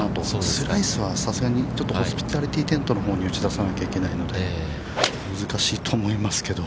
スライスはさすがにちょっとホスピタリティテントのほうに打ち出さないといけないので、難しいと思いますけど。